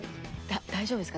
大丈夫ですか？